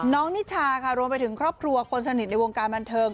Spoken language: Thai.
นิชาค่ะรวมไปถึงครอบครัวคนสนิทในวงการบันเทิง